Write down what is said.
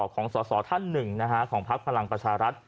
ของสอสอท่านหนึ่งของพักพลังประชารัฐ